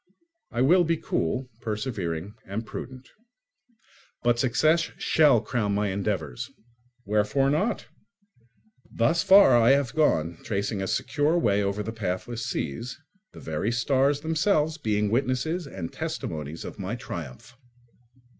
I will be cool, persevering, and prudent. But success shall crown my endeavours. Wherefore not? Thus far I have gone, tracing a secure way over the pathless seas, the very stars themselves being witnesses and testimonies of my triumph.